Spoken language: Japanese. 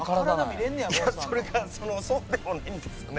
それがそうでもないんですよね。